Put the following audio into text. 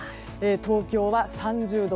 東京は３０度。